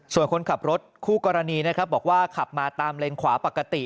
ส่วนคนขับรถคู่กรณีนะครับบอกว่าขับมาตามเลนขวาปกติ